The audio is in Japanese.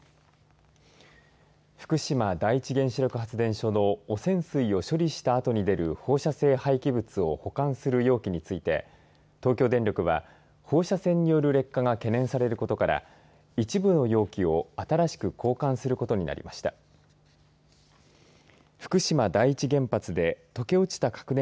福島第１原子力発電所の汚染水処理したあとに出る放射性廃棄物を保管する容器について東京電力は放射線による劣化が懸念されることから一部の容器を新しく交換することになりました。